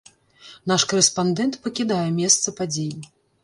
Наш карэспандэнт пакідае месца падзей.